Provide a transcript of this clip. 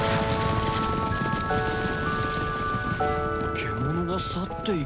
獣が去っていく。